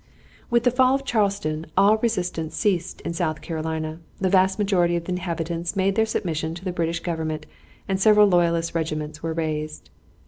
With the fall of Charleston all resistance ceased in South Carolina. The vast majority of the inhabitants made their submission to the British government and several loyalist regiments were raised.